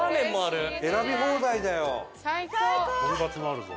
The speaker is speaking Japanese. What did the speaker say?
とんかつもあるぞ。